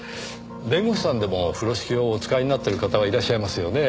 弁護士さんでも風呂敷をお使いになってる方はいらっしゃいますよね？